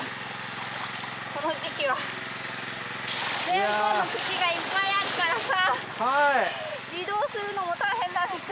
この時期はれんこんの茎がいっぱいあるからさ移動するのも大変なんですよ。